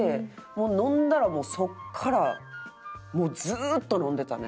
飲んだらもうそこからずっと飲んでたね。